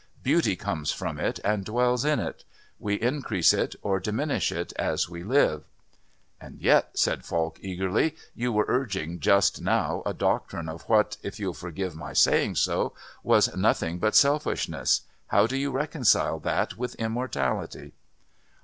Beauty comes from it and dwells in it. We increase it or diminish it as we live." "And yet," said Falk eagerly, "you were urging, just now, a doctrine of what, if you'll forgive my saying so, was nothing but selfishness. How do you reconcile that with immortality?"